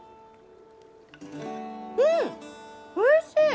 うんおいしい！